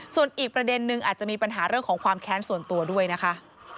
ส่วนอีกประเด็นนึงอาจจะมีปัญหาเรื่องของความแค้นส่วนตัวด้วยนะคะ